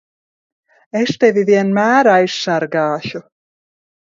Es tevi vienmēr aizsargāšu!